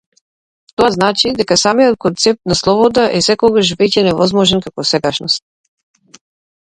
Тоа значи дека самиот концепт на слобода е секогаш веќе невозможен како сегашност.